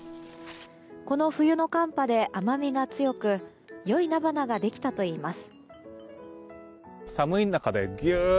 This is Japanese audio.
この冬の寒波で甘みが強く良い菜花ができたといいます。